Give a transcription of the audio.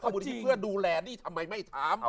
ทำดูแลนี่ทำไมไม่ถาม